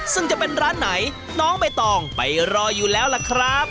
ซึ่งจะเป็นร้านไหนน้องใบตองไปรออยู่แล้วล่ะครับ